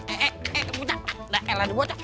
eh eh eh bucah